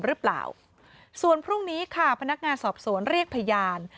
หรือเปล่าส่วนพรุ่งนี้ค่ะพนักงานสอบสวนเรียกพยาน